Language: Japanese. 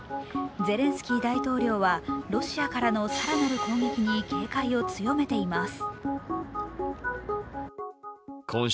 ゼレンスキー大統領はロシアからの更なる攻撃に警戒を強めています。